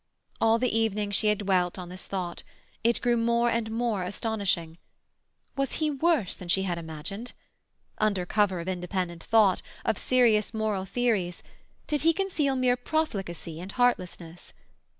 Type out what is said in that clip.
All the evening she had dwelt on this thought; it grew more and more astonishing. Was he worse than she had imagined? Under cover of independent thought, of serious moral theories, did he conceal mere profligacy and heartlessness?